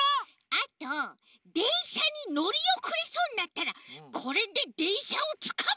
あとでんしゃにのりおくれそうになったらこれででんしゃをつかむ！